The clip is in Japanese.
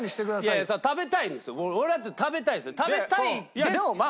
いやそりゃ食べたいんですよ。